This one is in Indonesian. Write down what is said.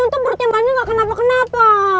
untung perutnya banyak tidak kenapa kenapa